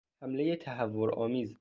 حملهی تهورآمیز